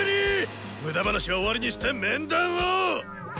無駄話は終わりにして面談を！